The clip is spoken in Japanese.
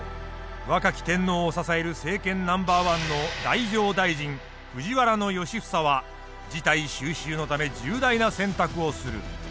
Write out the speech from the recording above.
若き天皇を支える政権ナンバー１の太政大臣藤原良房は事態収拾のため重大な選択をする。